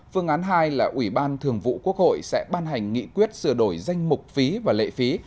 phương án hai là ủy ban thường vụ quốc hội sẽ ban hành nghị quyết sửa đổi danh mục phí và lệ phí